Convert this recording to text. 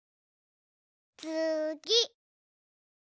つぎ。